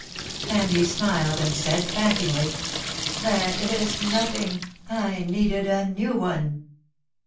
And he smiled and said pantingly, "That is nothing, I needed a new one."